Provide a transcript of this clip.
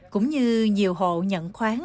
cũng như nhiều hộ nhận khoáng